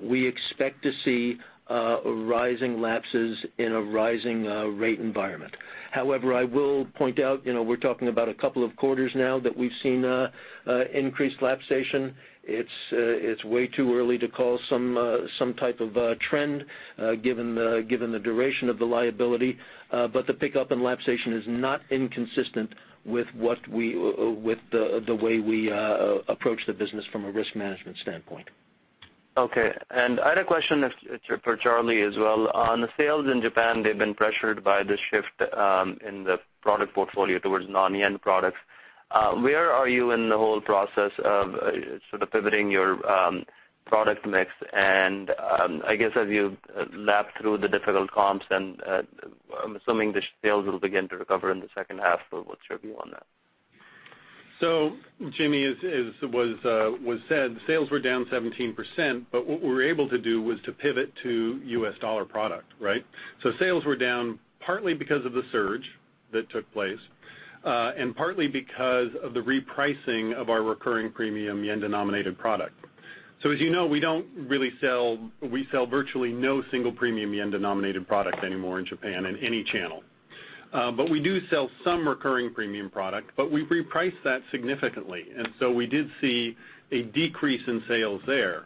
we expect to see rising lapses in a rising rate environment. However, I will point out, we're talking about a couple of quarters now that we've seen increased lapsation. It's way too early to call some type of trend given the duration of the liability. The pickup in lapsation is not inconsistent with the way we approach the business from a risk management standpoint. Okay. I had a question for Charlie as well. On the sales in Japan, they've been pressured by the shift in the product portfolio towards non-yen products. Where are you in the whole process of sort of pivoting your product mix? I guess as you lap through the difficult comps then I'm assuming the sales will begin to recover in the second half. What's your view on that? Jimmy, as was said, sales were down 17%. What we were able to do was to pivot to U.S. dollar product, right? Sales were down partly because of the surge that took place, partly because of the repricing of our recurring premium yen-denominated product. As you know, we sell virtually no single premium yen-denominated product anymore in Japan in any channel. We do sell some recurring premium product. We reprice that significantly. We did see a decrease in sales there.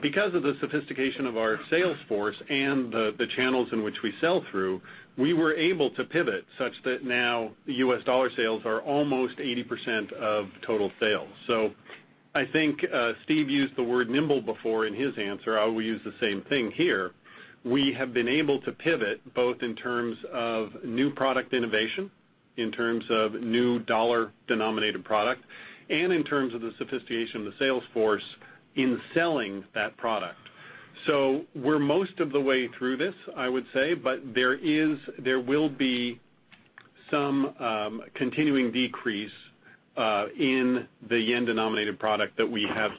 Because of the sophistication of our sales force and the channels in which we sell through, we were able to pivot such that now the U.S. dollar sales are almost 80% of total sales. I think Steve used the word nimble before in his answer. I will use the same thing here. We have been able to pivot both in terms of new product innovation, in terms of new dollar-denominated product, and in terms of the sophistication of the sales force in selling that product. We're most of the way through this, I would say, but there will be some continuing decrease in the yen-denominated product that we have.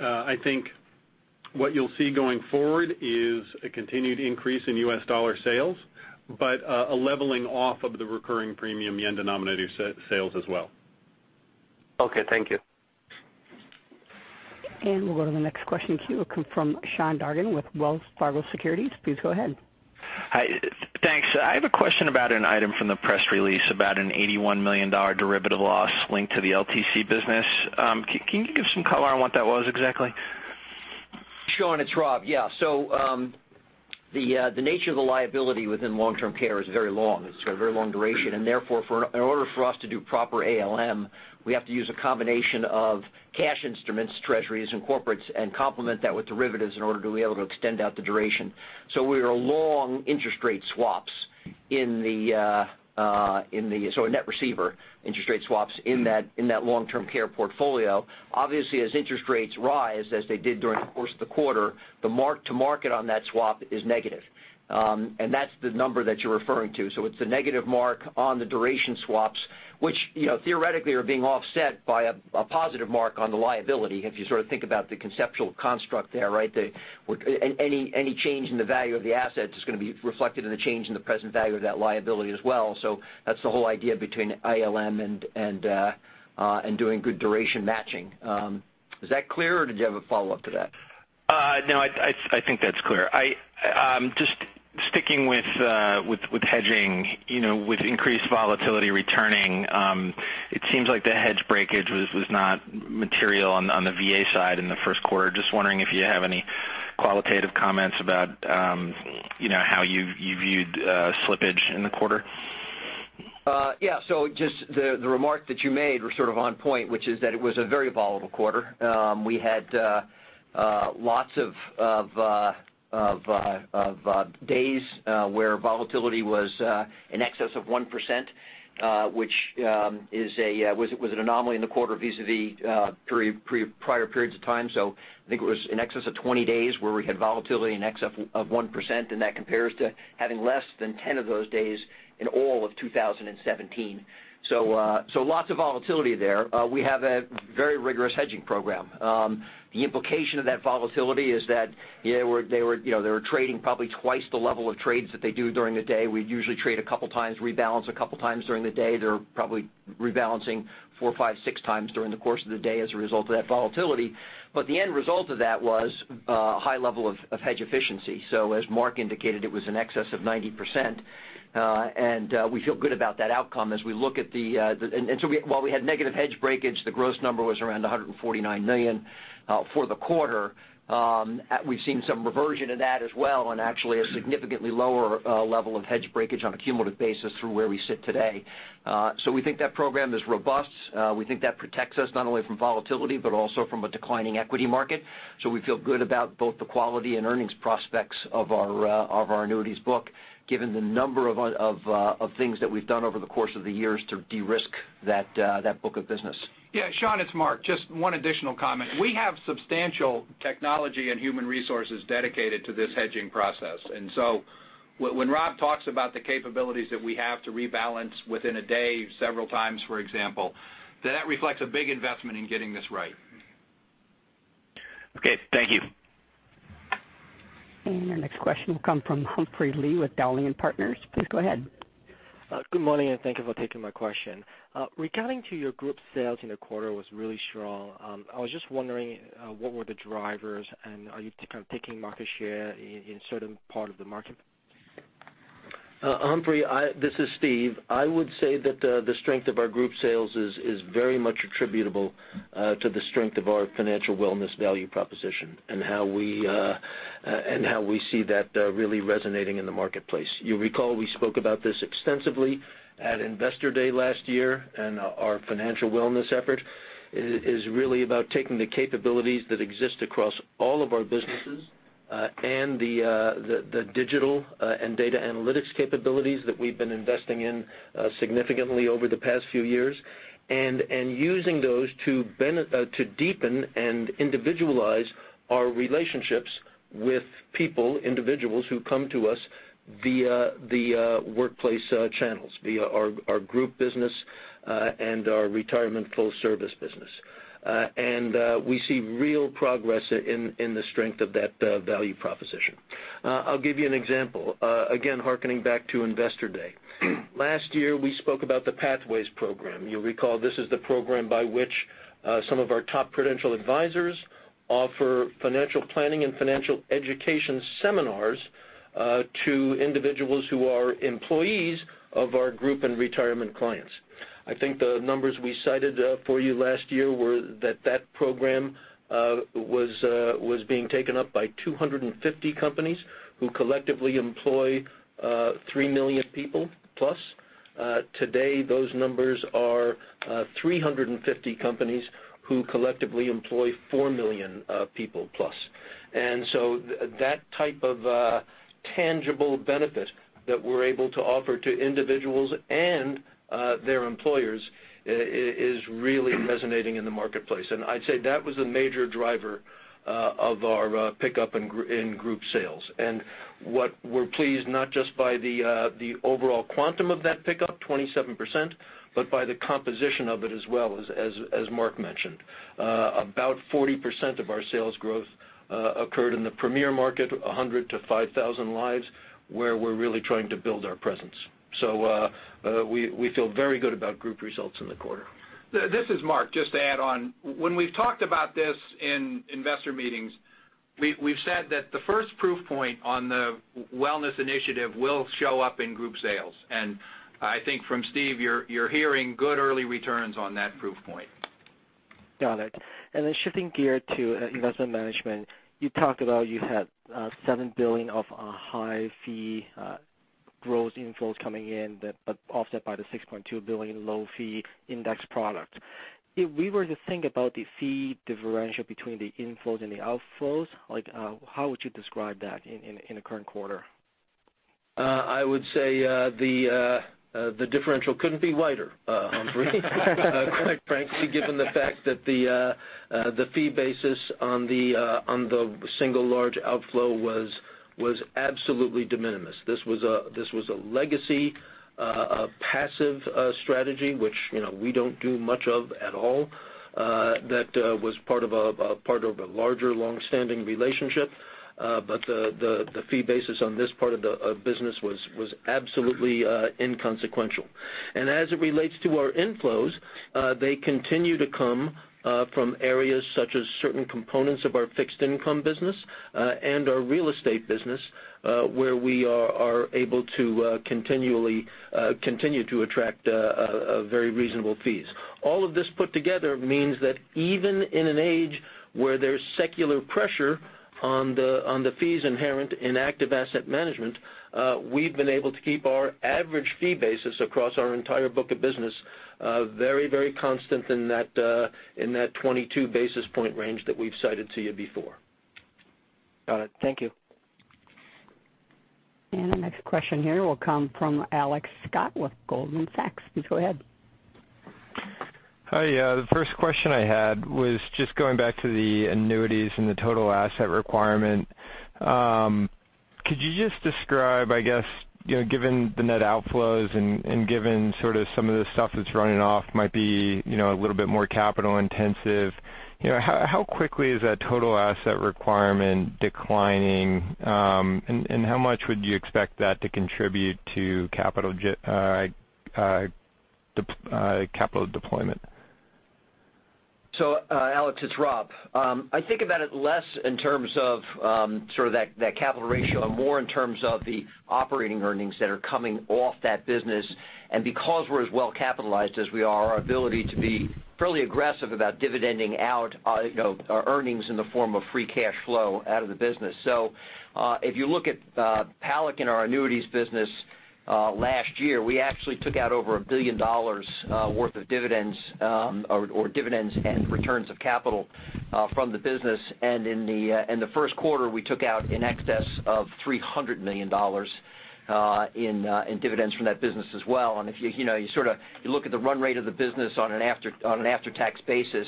I think what you'll see going forward is a continued increase in U.S. dollar sales, but a leveling off of the recurring premium yen-denominated sales as well. Okay, thank you. We'll go to the next question queue. It will come from Sean Dargan with Wells Fargo Securities. Please go ahead. Hi. Thanks. I have a question about an item from the press release about an $81 million derivative loss linked to the LTC business. Can you give some color on what that was exactly? Sean, it's Rob. The nature of the liability within long-term care is very long. It's got a very long duration, and therefore, in order for us to do proper ALM, we have to use a combination of cash instruments, treasuries, and corporates, and complement that with derivatives in order to be able to extend out the duration. We are long interest rate swaps, a net receiver interest rate swaps in that long-term care portfolio. Obviously, as interest rates rise, as they did during the course of the quarter, the mark to market on that swap is negative. That's the number that you're referring to. It's the negative mark on the duration swaps, which theoretically are being offset by a positive mark on the liability, if you sort of think about the conceptual construct there, right? Any change in the value of the asset is going to be reflected in the change in the present value of that liability as well. That's the whole idea between ALM and doing good duration matching. Is that clear, or did you have a follow-up to that? No, I think that's clear. Just sticking with hedging, with increased volatility returning, it seems like the hedge breakage was not material on the VA side in the first quarter. Just wondering if you have any qualitative comments about how you viewed slippage in the quarter. Just the remark that you made was sort of on point, which is that it was a very volatile quarter. We had lots of days where volatility was in excess of 1%, which was an anomaly in the quarter vis-a-vis prior periods of time. I think it was in excess of 20 days where we had volatility in excess of 1%, and that compares to having less than 10 of those days in all of 2017. Lots of volatility there. We have a very rigorous hedging program. The implication of that volatility is that they were trading probably twice the level of trades that they do during the day. We usually trade a couple times, rebalance a couple times during the day. They're probably rebalancing four, five, six times during the course of the day as a result of that volatility. The end result of that was a high level of hedge efficiency. As Mark indicated, it was in excess of 90%, and we feel good about that outcome as we look at. While we had negative hedge breakage, the gross number was around $149 million for the quarter. We've seen some reversion of that as well, and actually a significantly lower level of hedge breakage on a cumulative basis through where we sit today. We think that program is robust. We think that protects us not only from volatility but also from a declining equity market. We feel good about both the quality and earnings prospects of our annuities book, given the number of things that we've done over the course of the years to de-risk that book of business. Yeah, Sean, it's Mark. Just one additional comment. We have substantial technology and human resources dedicated to this hedging process. When Rob talks about the capabilities that we have to rebalance within a day several times, for example, that reflects a big investment in getting this right. Okay, thank you. Our next question will come from Humphrey with Dowling & Partners. Please go ahead. Good morning, and thank you for taking my question. Regarding your group sales in the quarter was really strong. I was just wondering, what were the drivers, and are you kind of taking market share in certain part of the market? Humphrey, this is Steve. I would say that the strength of our group sales is very much attributable to the strength of our financial wellness value proposition and how we see that really resonating in the marketplace. You recall, we spoke about this extensively at Investor Day last year. Our financial wellness effort is really about taking the capabilities that exist across all of our businesses, and the digital and data analytics capabilities that we've been investing in significantly over the past few years. Using those to deepen and individualize our relationships with people, individuals, who come to us via the workplace channels, via our group business, and our retirement full service business. We see real progress in the strength of that value proposition. I'll give you an example. Again, hearkening back to Investor Day. Last year, we spoke about the Pathways program. You'll recall this is the program by which some of our top Prudential advisors offer financial planning and financial education seminars to individuals who are employees of our group and retirement clients. I think the numbers we cited for you last year were that that program was being taken up by 250 companies who collectively employ 3 million people plus. Today, those numbers are 350 companies who collectively employ 4 million people plus. That type of tangible benefit that we're able to offer to individuals and their employers is really resonating in the marketplace. I'd say that was a major driver of our pickup in group sales. What we're pleased, not just by the overall quantum of that pickup, 27%, but by the composition of it as well, as Mark mentioned. About 40% of our sales growth occurred in the premier market, 100 to 5,000 lives, where we're really trying to build our presence. We feel very good about group results in the quarter. This is Mark, just to add on. When we've talked about this in investor meetings, we've said that the first proof point on the wellness initiative will show up in group sales. I think from Steve, you're hearing good early returns on that proof point. Got it. Then shifting gear to investment management. You talked about you had $7 billion of high fee gross inflows coming in but offset by the $6.2 billion low-fee index product. If we were to think about the fee differential between the inflows and the outflows, how would you describe that in the current quarter? I would say the differential couldn't be wider, Humphrey, quite frankly, given the fact that the fee basis on the single large outflow was absolutely de minimis. This was a legacy, a passive strategy, which we don't do much of at all, that was part of a larger long-standing relationship. The fee basis on this part of the business was absolutely inconsequential. As it relates to our inflows, they continue to come from areas such as certain components of our fixed income business and our real estate business, where we are able to continue to attract very reasonable fees. All of this put together means that even in an age where there's secular pressure on the fees inherent in active asset management, we've been able to keep our average fee basis across our entire book of business very constant in that 22-basis point range that we've cited to you before. Got it. Thank you. The next question here will come from Alex Scott with Goldman Sachs. Please go ahead. Hi. The first question I had was just going back to the annuities and the total asset requirement. Could you just describe, I guess, given the net outflows and given sort of some of the stuff that's running off might be a little bit more capital intensive, how quickly is that total asset requirement declining? How much would you expect that to contribute to capital deployment? Alex, it's Rob. I think about it less in terms of that capital ratio and more in terms of the operating earnings that are coming off that business. Because we're as well capitalized as we are, our ability to be fairly aggressive about dividending out our earnings in the form of free cash flow out of the business. If you look at PALAC in our annuities business, last year, we actually took out over $1 billion worth of dividends or dividends and returns of capital from the business. In the first quarter, we took out in excess of $300 million in dividends from that business as well. If you look at the run rate of the business on an after-tax basis,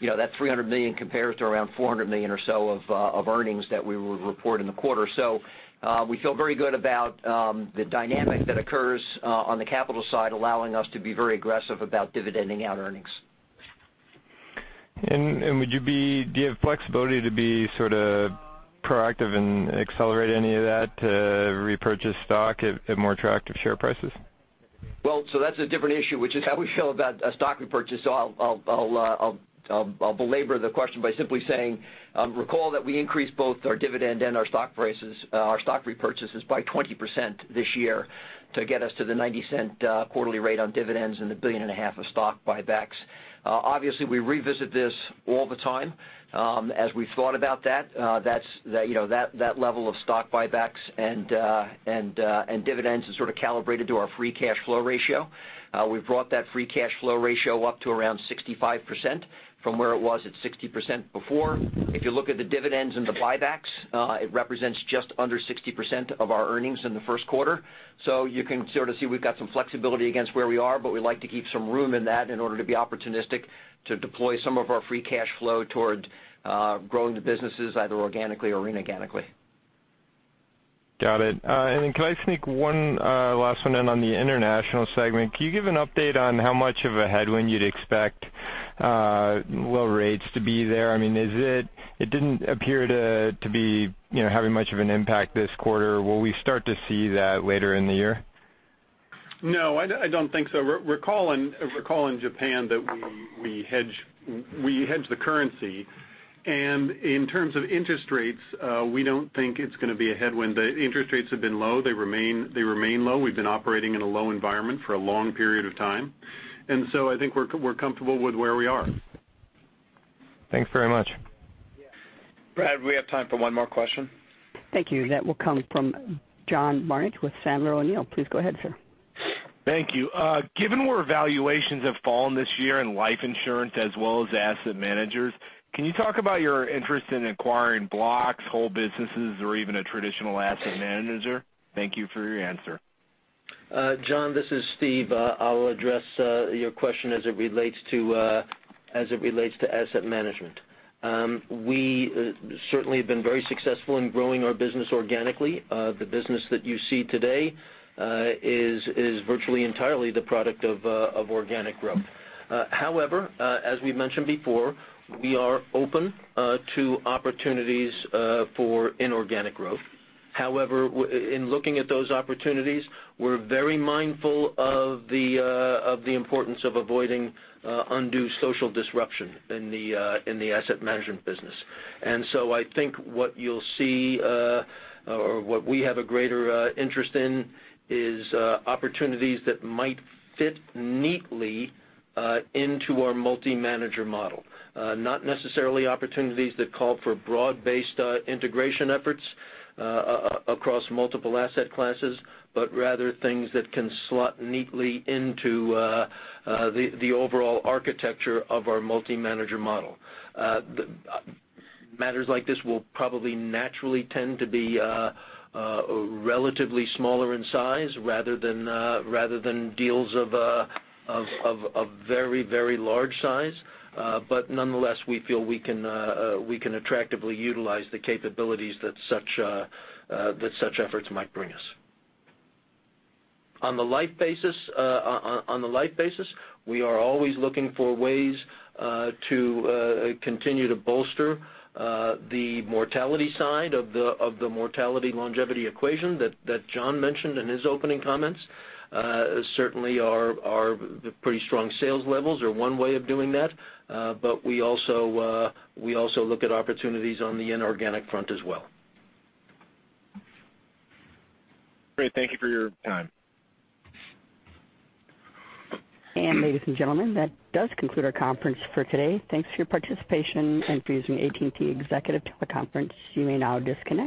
that $300 million compares to around $400 million or so of earnings that we will report in the quarter. We feel very good about the dynamic that occurs on the capital side, allowing us to be very aggressive about dividending out earnings. Do you have flexibility to be proactive and accelerate any of that to repurchase stock at more attractive share prices? That's a different issue, which is how we feel about a stock repurchase. I'll belabor the question by simply saying, recall that we increased both our dividend and our stock repurchases by 20% this year to get us to the $0.90 quarterly rate on dividends and the $1.5 billion of stock buybacks. Obviously, we revisit this all the time. As we've thought about that level of stock buybacks and dividends is sort of calibrated to our free cash flow ratio. We've brought that free cash flow ratio up to around 65% from where it was at 60% before. If you look at the dividends and the buybacks, it represents just under 60% of our earnings in the first quarter. You can sort of see we've got some flexibility against where we are, but we like to keep some room in that in order to be opportunistic to deploy some of our free cash flow toward growing the businesses, either organically or inorganically. Got it. Can I sneak one last one in on the international segment? Can you give an update on how much of a headwind you'd expect low rates to be there? It didn't appear to be having much of an impact this quarter. Will we start to see that later in the year? No, I don't think so. Recall in Japan that we hedge the currency, in terms of interest rates, we don't think it's going to be a headwind. The interest rates have been low. They remain low. We've been operating in a low environment for a long period of time, I think we're comfortable with where we are. Thanks very much. Yeah. Brad, we have time for one more question. Thank you. That will come from John Barnidge with Sandler O'Neill. Please go ahead, sir. Thank you. Given where valuations have fallen this year in life insurance as well as asset managers, can you talk about your interest in acquiring blocks, whole businesses, or even a traditional asset manager? Thank you for your answer. John, this is Steve. I'll address your question as it relates to asset management. We certainly have been very successful in growing our business organically. The business that you see today is virtually entirely the product of organic growth. However, as we mentioned before, we are open to opportunities for inorganic growth. However, in looking at those opportunities, we're very mindful of the importance of avoiding undue social disruption in the asset management business. I think what you'll see, or what we have a greater interest in, is opportunities that might fit neatly into our multi-manager model. Not necessarily opportunities that call for broad-based integration efforts across multiple asset classes, but rather things that can slot neatly into the overall architecture of our multi-manager model. Matters like this will probably naturally tend to be relatively smaller in size rather than deals of very large size. Nonetheless, we feel we can attractively utilize the capabilities that such efforts might bring us. On the life basis, we are always looking for ways to continue to bolster the mortality side of the mortality longevity equation that John mentioned in his opening comments. Certainly our pretty strong sales levels are one way of doing that. We also look at opportunities on the inorganic front as well. Great. Thank you for your time. Ladies and gentlemen, that does conclude our conference for today. Thanks for your participation and for using AT&T Executive Teleconference. You may now disconnect.